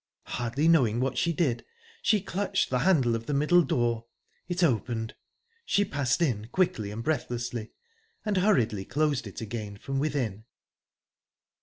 Hardly knowing what she did, she clutched the handle of the middle door...It opened. She passed in quickly and breathlessly, and hurriedly closed it again from within.